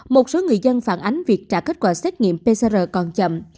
một số người dân phản ánh việc trả kết quả xét nghiệm pcr còn chậm